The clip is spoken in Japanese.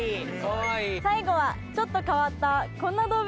最後はちょっと変わったこんな動物。